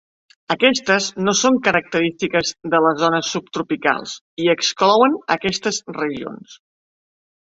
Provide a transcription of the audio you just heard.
Aquestes no són característiques de les zones subtropicals i exclouen aquestes regions.